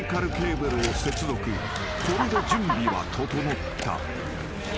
［これで準備は整った］